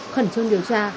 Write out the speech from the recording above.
khẩn trương điều tra